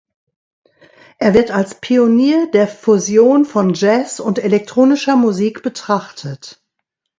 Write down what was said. Er wird als Pionier der Fusion von Jazz und elektronischer Musik betrachtet.